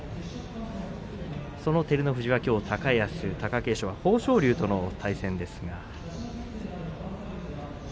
照ノ富士は、きょう高安貴景勝は豊昇龍との対戦です。